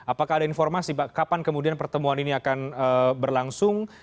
apakah ada informasi kapan kemudian pertemuan ini akan berlangsung